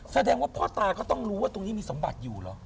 แสดงว่าพ่อตาก็ต้องรู้ว่าตรงนี้มีสมบัติอยู่เหรอ